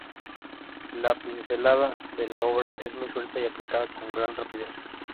La pincelada de la obra es muy suelta y aplicada con gran rapidez.